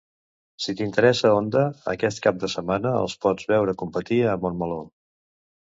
Si t'interessa Honda, aquesta cap de setmana els pots veure competir a Montmeló.